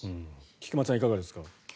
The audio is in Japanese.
菊間さん、いかがですか。